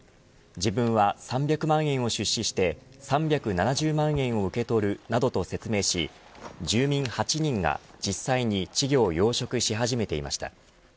自分は３００万円を出資して３７０万円を受け取るなどと説明し住民８人が、実際に稚魚を養殖し始めていました。